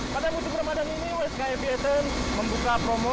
pada musim ramadan ini one sky aviation membuka promo